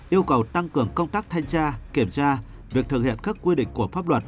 yêu cầu tăng cường công tác thanh tra kiểm tra việc thực hiện các quy định của pháp luật